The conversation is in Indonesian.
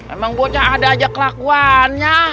emang buatnya ada aja kelakuannya